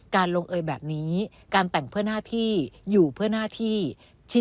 การลงเอยแบบนี้การแต่งเพื่อหน้าที่อยู่เพื่อหน้าที่